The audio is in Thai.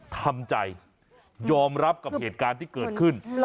ทำใจยอมรับกับเหตุการณ์ที่เกิดขึ้น